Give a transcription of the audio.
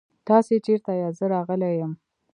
تاسې چيرته ياست؟ زه راغلی يم.